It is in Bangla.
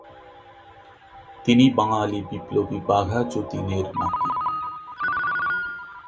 তিনি বাঙালি বিপ্লবী বাঘা যতীনের নাতি।